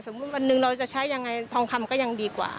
สมมุติวันนึงเราจะใช้อย่างไรทองคำก็ยังดีกว่า